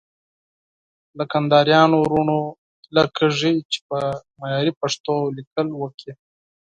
له کندهاريانو وروڼو هيله کېږي چې په معياري پښتو ليکل وکړي.